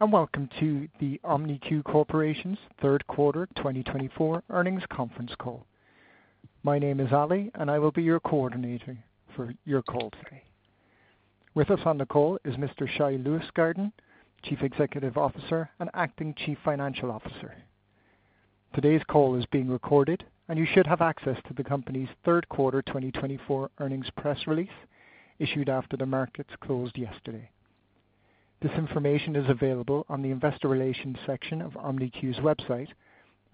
Hello, and welcome to the OmniQ Corporation's third quarter 2024 earnings conference call. My name is Ali, and I will be your coordinator for your call today. With us on the call is Mr. Shai Lustgarten, Chief Executive Officer and Acting Chief Financial Officer. Today's call is being recorded, and you should have access to the company's third quarter 2024 earnings press release issued after the markets closed yesterday. This information is available on the investor relations section of OmniQ's website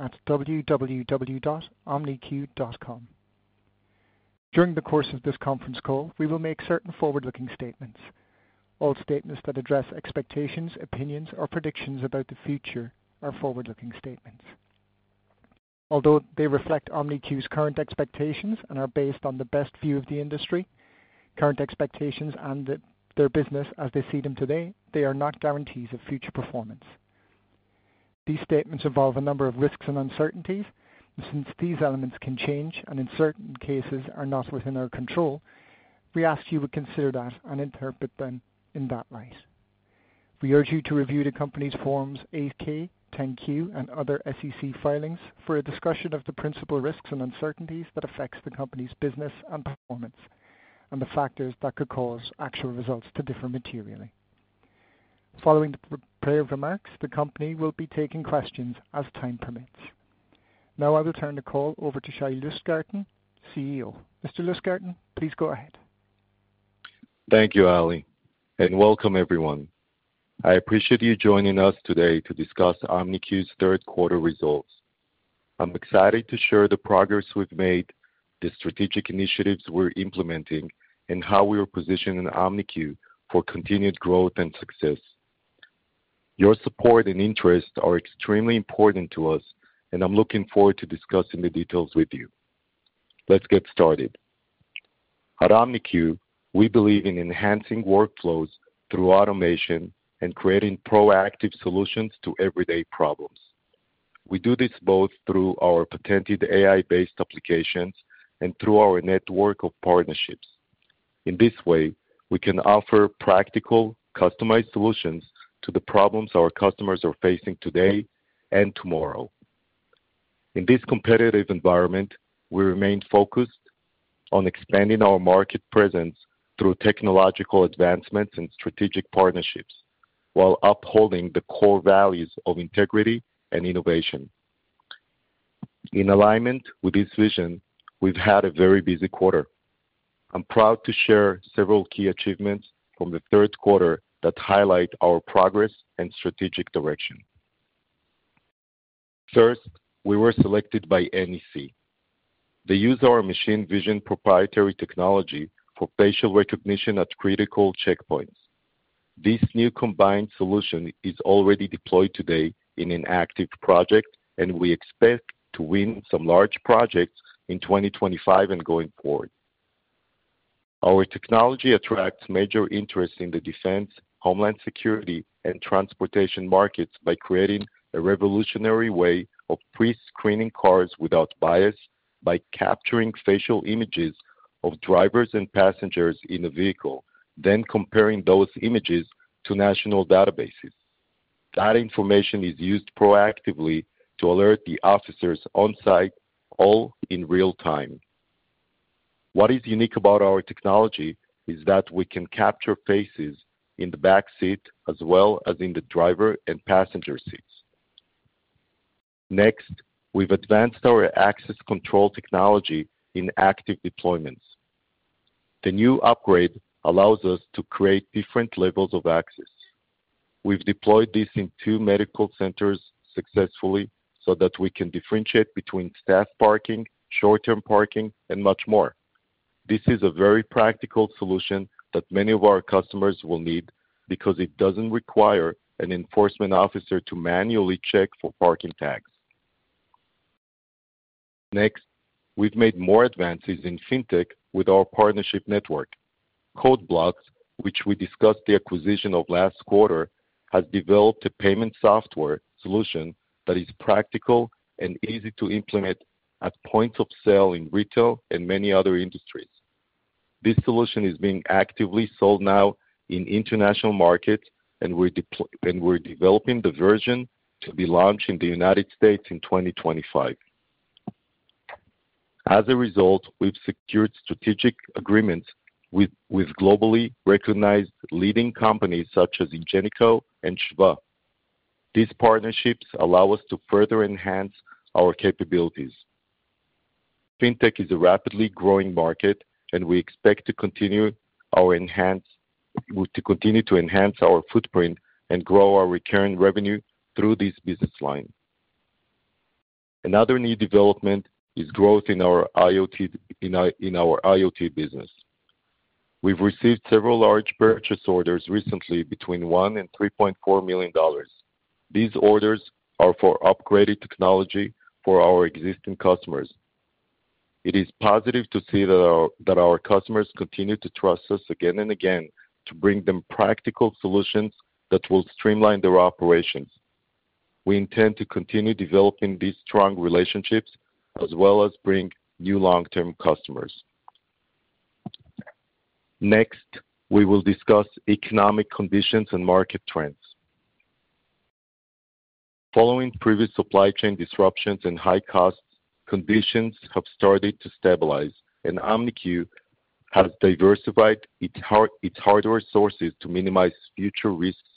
at www.omniq.com. During the course of this conference call, we will make certain forward-looking statements. All statements that address expectations, opinions, or predictions about the future are forward-looking statements. Although they reflect OmniQ's current expectations and are based on the best view of the industry, current expectations and their business as they see them today, they are not guarantees of future performance. These statements involve a number of risks and uncertainties, and since these elements can change and in certain cases are not within our control, we ask you to consider that and interpret them in that light. We urge you to review the company's Forms 8-K, 10-Q, and other SEC filings for a discussion of the principal risks and uncertainties that affect the company's business and performance, and the factors that could cause actual results to differ materially. Following the prepared remarks, the company will be taking questions as time permits. Now, I will turn the call over to Shai Lustgarten, CEO. Mr. Lustgarten, please go ahead. Thank you, Ali, and welcome everyone. I appreciate you joining us today to discuss OmniQ's third quarter results. I'm excited to share the progress we've made, the strategic initiatives we're implementing, and how we are positioning OmniQ for continued growth and success. Your support and interest are extremely important to us, and I'm looking forward to discussing the details with you. Let's get started. At OmniQ, we believe in enhancing workflows through automation and creating proactive solutions to everyday problems. We do this both through our patented AI-based applications and through our network of partnerships. In this way, we can offer practical, customized solutions to the problems our customers are facing today and tomorrow. In this competitive environment, we remain focused on expanding our market presence through technological advancements and strategic partnerships, while upholding the core values of integrity and innovation. In alignment with this vision, we've had a very busy quarter. I'm proud to share several key achievements from the third quarter that highlight our progress and strategic direction. First, we were selected by NEC. They use our machine vision proprietary technology for facial recognition at critical checkpoints. This new combined solution is already deployed today in an active project, and we expect to win some large projects in 2025 and going forward. Our technology attracts major interest in the defense, homeland security, and transportation markets by creating a revolutionary way of pre-screening cars without bias by capturing facial images of drivers and passengers in a vehicle, then comparing those images to national databases. That information is used proactively to alert the officers on site, all in real time. What is unique about our technology is that we can capture faces in the back seat as well as in the driver and passenger seats. Next, we've advanced our access control technology in active deployments. The new upgrade allows us to create different levels of access. We've deployed this in two medical centers successfully so that we can differentiate between staff parking, short-term parking, and much more. This is a very practical solution that many of our customers will need because it doesn't require an enforcement officer to manually check for parking tags. Next, we've made more advances in fintech with our partnership network. CodeBlock, which we discussed the acquisition of last quarter, has developed a payment software solution that is practical and easy to implement at points of sale in retail and many other industries. This solution is being actively sold now in international markets, and we're developing the version to be launched in the United States in 2025. As a result, we've secured strategic agreements with globally recognized leading companies such as Ingenico and SHVA. These partnerships allow us to further enhance our capabilities. Fintech is a rapidly growing market, and we expect to continue to enhance our footprint and grow our recurring revenue through this business line. Another new development is growth in our IoT business. We've received several large purchase orders recently between $1 million and $3.4 million. These orders are for upgraded technology for our existing customers. It is positive to see that our customers continue to trust us again and again to bring them practical solutions that will streamline their operations. We intend to continue developing these strong relationships as well as bring new long-term customers. Next, we will discuss economic conditions and market trends. Following previous supply chain disruptions and high costs, conditions have started to stabilize, and OmniQ has diversified its hardware sources to minimize future risks,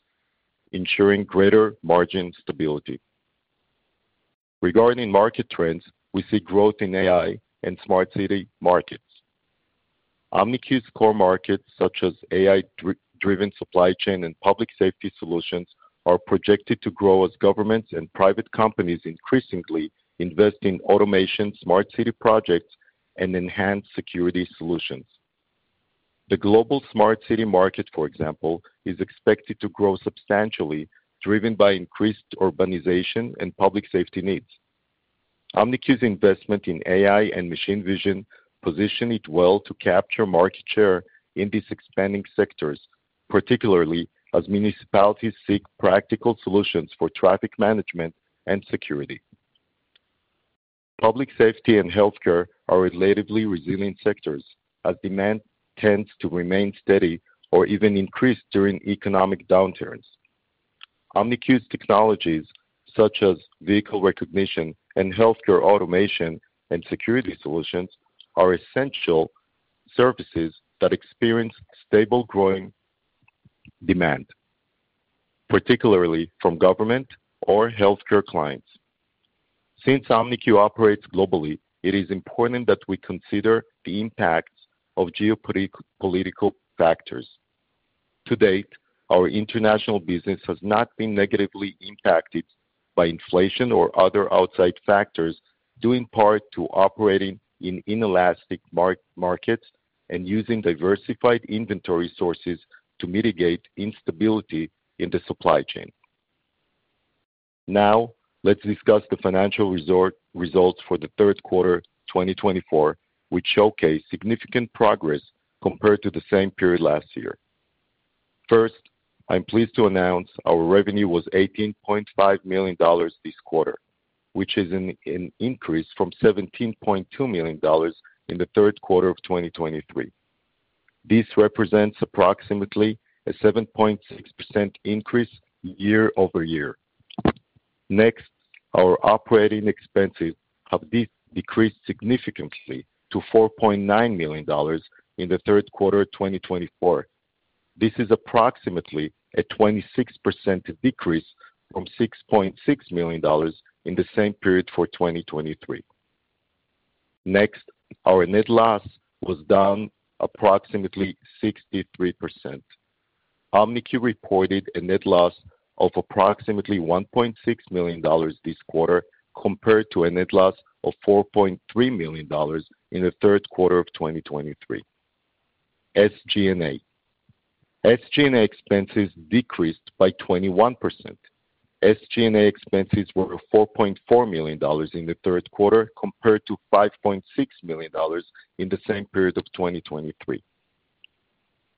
ensuring greater margin stability. Regarding market trends, we see growth in AI and smart city markets. OmniQ's core markets, such as AI-driven supply chain and public safety solutions, are projected to grow as governments and private companies increasingly invest in automation, smart city projects, and enhanced security solutions. The global smart city market, for example, is expected to grow substantially, driven by increased urbanization and public safety needs. OmniQ's investment in AI and machine vision positions it well to capture market share in these expanding sectors, particularly as municipalities seek practical solutions for traffic management and security. Public safety and healthcare are relatively resilient sectors as demand tends to remain steady or even increase during economic downturns. OmniQ's technologies, such as vehicle recognition and healthcare automation and security solutions, are essential services that experience stable growing demand, particularly from government or healthcare clients. Since OmniQ operates globally, it is important that we consider the impacts of geopolitical factors. To date, our international business has not been negatively impacted by inflation or other outside factors, due in part to operating in inelastic markets and using diversified inventory sources to mitigate instability in the supply chain. Now, let's discuss the financial results for the third quarter 2024, which showcase significant progress compared to the same period last year. First, I'm pleased to announce our revenue was $18.5 million this quarter, which is an increase from $17.2 million in the third quarter of 2023. This represents approximately a 7.6% increase year-over-year. Next, our operating expenses have decreased significantly to $4.9 million in the third quarter of 2024. This is approximately a 26% decrease from $6.6 million in the same period for 2023. Next, our net loss was down approximately 63%. OmniQ reported a net loss of approximately $1.6 million this quarter compared to a net loss of $4.3 million in the third quarter of 2023. SG&A. SG&A expenses decreased by 21%. SG&A expenses were $4.4 million in the third quarter compared to $5.6 million in the same period of 2023.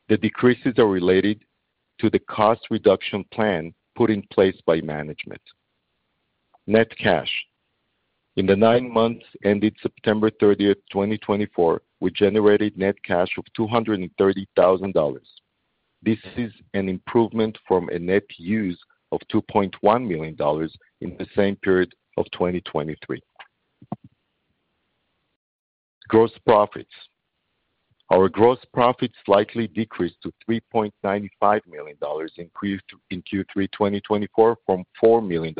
The decreases are related to the cost reduction plan put in place by management. Net cash. In the nine months ended September 30, 2024, we generated net cash of $230,000. This is an improvement from a net use of $2.1 million in the same period of 2023. Gross profits. Our gross profits slightly decreased to $3.95 million in Q3 2024 from $4 million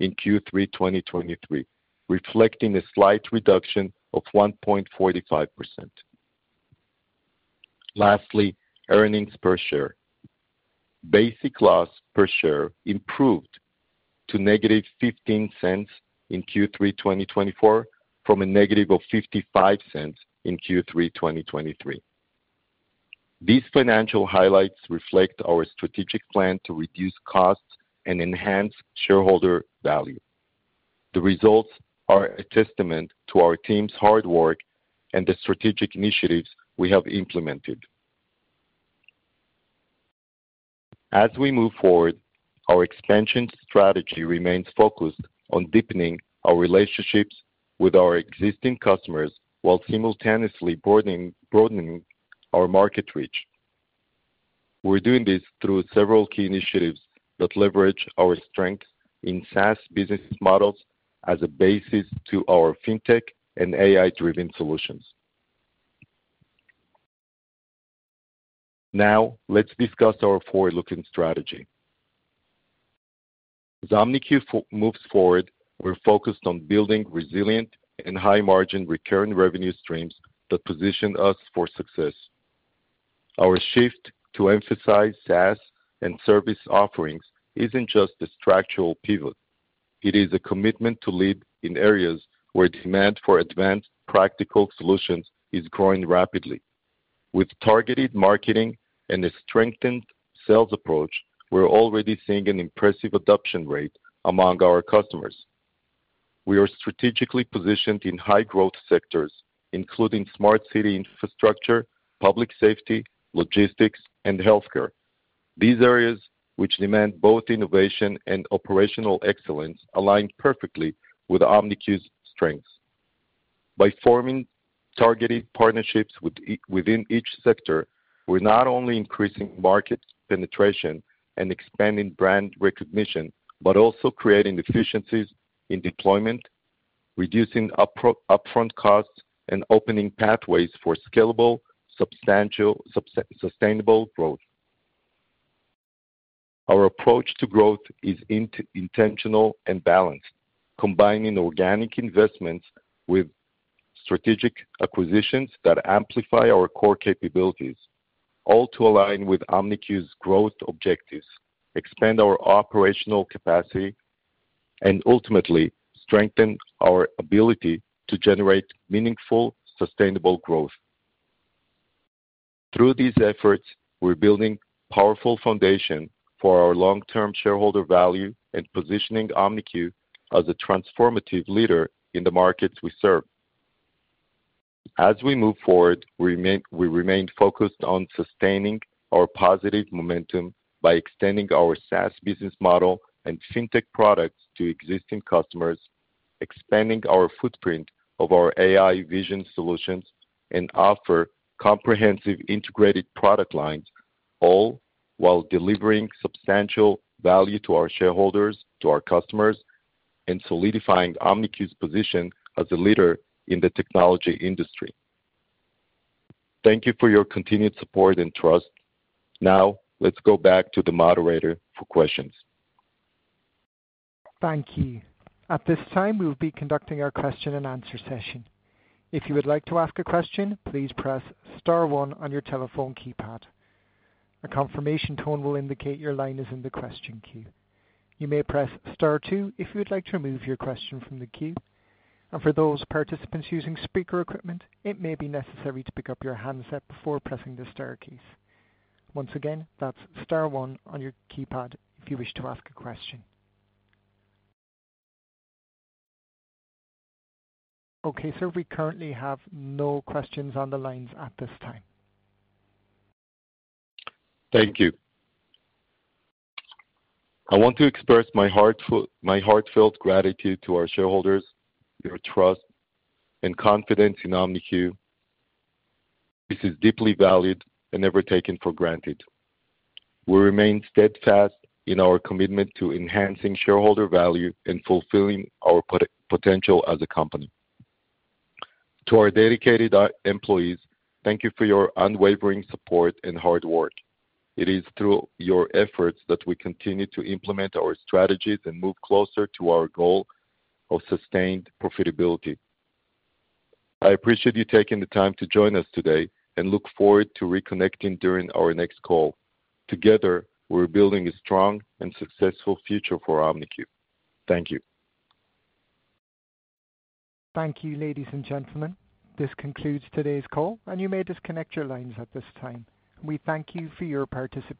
in Q3 2023, reflecting a slight reduction of 1.45%. Lastly, earnings per share: Basic loss per share improved to -$0.15 in Q3 2024 from -$0.55 in Q3 2023. These financial highlights reflect our strategic plan to reduce costs and enhance shareholder value. The results are a testament to our team's hard work and the strategic initiatives we have implemented. As we move forward, our expansion strategy remains focused on deepening our relationships with our existing customers while simultaneously broadening our market reach. We're doing this through several key initiatives that leverage our strengths in SaaS business models as a basis to our fintech and AI-driven solutions. Now, let's discuss our forward-looking strategy. As OmniQ moves forward, we're focused on building resilient and high-margin recurring revenue streams that position us for success. Our shift to emphasize SaaS and service offerings isn't just a structural pivot. It is a commitment to lead in areas where demand for advanced practical solutions is growing rapidly. With targeted marketing and a strengthened sales approach, we're already seeing an impressive adoption rate among our customers. We are strategically positioned in high-growth sectors, including smart city infrastructure, public safety, logistics, and healthcare. These areas, which demand both innovation and operational excellence, align perfectly with OmniQ's strengths. By forming targeted partnerships within each sector, we're not only increasing market penetration and expanding brand recognition, but also creating efficiencies in deployment, reducing upfront costs, and opening pathways for scalable, substantial, sustainable growth. Our approach to growth is intentional and balanced, combining organic investments with strategic acquisitions that amplify our core capabilities, all to align with OmniQ's growth objectives, expand our operational capacity, and ultimately strengthen our ability to generate meaningful, sustainable growth. Through these efforts, we're building a powerful foundation for our long-term shareholder value and positioning OmniQ as a transformative leader in the markets we serve. As we move forward, we remain focused on sustaining our positive momentum by extending our SaaS business model and fintech products to existing customers, expanding our footprint of our AI vision solutions, and offer comprehensive integrated product lines, all while delivering substantial value to our shareholders, to our customers, and solidifying OmniQ's position as a leader in the technology industry. Thank you for your continued support and trust. Now, let's go back to the moderator for questions. Thank you. At this time, we will be conducting our question-and-answer session. If you would like to ask a question, please press star-one on your telephone keypad. A confirmation tone will indicate your line is in the question queue. You may press star-two, if you would like to remove your question from the queue. And for those participants using speaker equipment, it may be necessary to pick up your handset before pressing the star keys. Once again, that's star-one on your keypad if you wish to ask a question. Okay, sir. We currently have no questions on the lines at this time. Thank you. I want to express my heartfelt gratitude to our shareholders, your trust, and confidence in OmniQ. This is deeply valued and never taken for granted. We remain steadfast in our commitment to enhancing shareholder value and fulfilling our potential as a company. To our dedicated employees, thank you for your unwavering support and hard work. It is through your efforts that we continue to implement our strategies and move closer to our goal of sustained profitability. I appreciate you taking the time to join us today and look forward to reconnecting during our next call. Together, we're building a strong and successful future for OmniQ. Thank you. Thank you, ladies and gentlemen. This concludes today's call, and you may disconnect your lines at this time. We thank you for your participation.